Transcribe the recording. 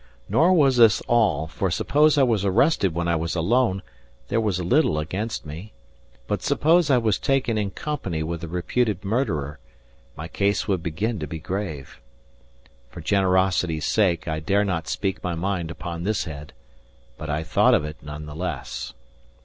Nor was this all; for suppose I was arrested when I was alone, there was little against me; but suppose I was taken in company with the reputed murderer, my case would begin to be grave. For generosity's sake I dare not speak my mind upon this head; but I thought of it none the less.